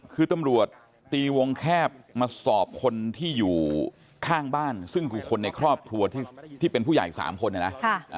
คือตำรวจตีวงแคบมาสอบคนที่อยู่ข้างบ้านซึ่งคือคนในครอบครัวที่เป็นผู้ใหญ่๓คนเนี่ยนะ